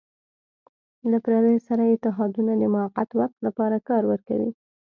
له پردیو سره اتحادونه د موقت وخت لپاره کار ورکوي.